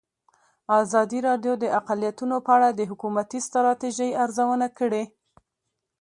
ازادي راډیو د اقلیتونه په اړه د حکومتي ستراتیژۍ ارزونه کړې.